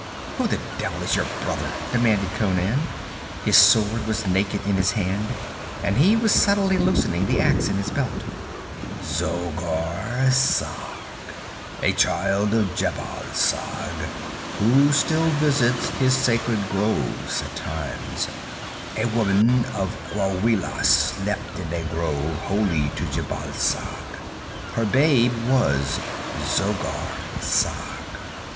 'Who the devil is your brother?' demanded Conan. His sword was naked in his hand, and he was subtly loosening the ax in his belt. 'Zogar Sag; a child of Jhebbal Sag who still visits his sacred groves at times. A woman of Gwawela slept in a grove holy to Jhebbal Sag. Her babe was Zogar Sag.